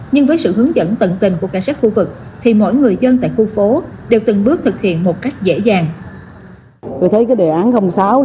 nhưng với sự hướng dẫn tận tình của cả sát khu vực thì mỗi người dân tại khu phố